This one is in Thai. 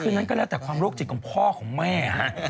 คือนั้นก็แล้วแต่ความโรคจิตของพ่อของแม่